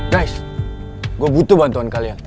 guys gue butuh bantuan kalian